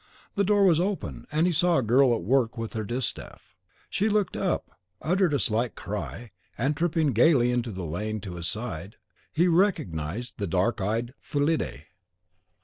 The door was open, and he saw a girl at work with her distaff. She looked up, uttered a slight cry, and, tripping gayly into the lane to his side, he recognised the dark eyed Fillide.